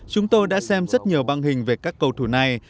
chúng tôi đã xem rất nhiều băng hình về các cầu thủ này